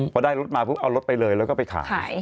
พอได้รถมาปุ๊บเอารถไปเลยแล้วก็ไปขาย